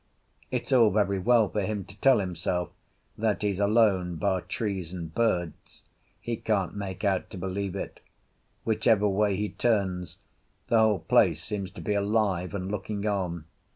It's all very well for him to tell himself that he's alone, bar trees and birds; he can't make out to believe it; whichever way he turns the whole place seems to be alive and looking on.